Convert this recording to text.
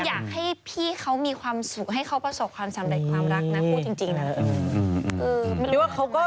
อยากให้พี่เขามีความสุขให้เขาประสบความสำเร็จความรักนะพูดจริงนะ